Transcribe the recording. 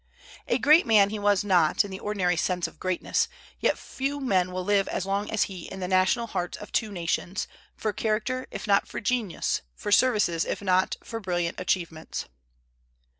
A great man he was not, in the ordinary sense of greatness; yet few men will live as long as he in the national hearts of two nations, for character if not for genius, for services if not for brilliant achievements.